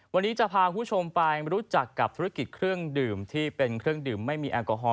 วันนี้จะพาคุณผู้ชมไปรู้จักกับธุรกิจเครื่องดื่มที่เป็นเครื่องดื่มไม่มีแอลกอฮอล